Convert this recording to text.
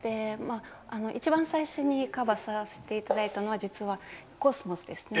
一番最初にカバーさせていただいたのは実は「秋桜」ですね。